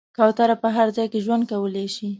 کوتره په هر ځای کې ژوند کولی شي.